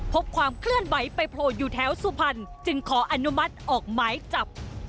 พบความเคลื่อนไหวไปโผล่อยู่แถวสุพรรณจึงขออนุมัติออกหมายจับ